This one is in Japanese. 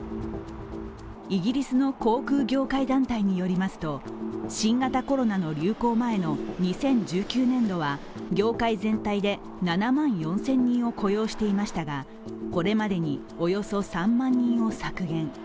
イギリスの航空業界団体によりますと、新型コロナの流行前の２０１９年度は、業界全体で７万４０００人を雇用していましたが、これまでにおよそ３万人を削減。